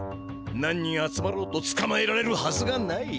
何人集まろうとつかまえられるはずがない。